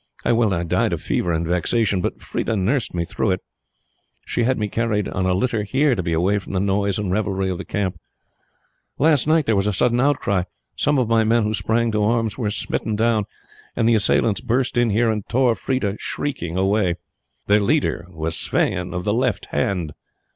I well nigh died of fever and vexation, but Freda nursed me through it. She had me carried on a litter here to be away from the noise and revelry of the camp. Last night there was a sudden outcry. Some of my men who sprang to arms were smitten down, and the assailants burst in here and tore Freda, shrieking, away. Their leader was Sweyn of the left hand.